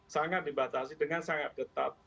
sangat dibatasi dengan sangat ketat